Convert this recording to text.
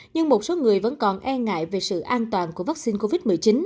nhưng một số người vẫn còn e ngại về sự an toàn của vaccine covid một mươi chín